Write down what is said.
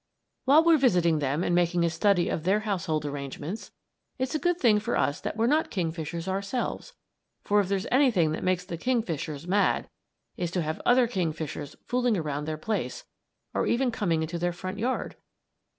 While we're visiting them and making a study of their household arrangements, it's a good thing for us that we're not kingfishers ourselves; for if there's anything that makes the kingfishers mad it's to have other kingfishers fooling around their place or even coming into their front yard.